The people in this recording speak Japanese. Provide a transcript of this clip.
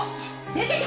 出てけ！